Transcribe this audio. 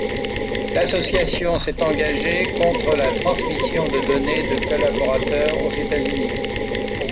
L’association s’est engagée contre la transmission de données de collaborateurs aux États-Unis.